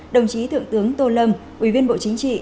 đồng chí thượng tướng tô lâm ủy viên bộ chính trị